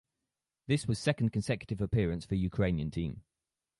This was second consecutive appearance for Ukrainian team.